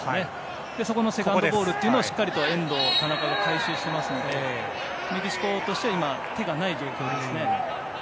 そして、そこのセカンドボールをしっかり遠藤、田中が回収していますのでメキシコとしては手がない状況ですね。